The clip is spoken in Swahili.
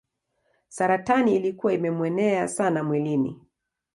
Saratani ilikuwa imemuenea sana mwilini.